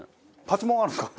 パチモンあるんですか？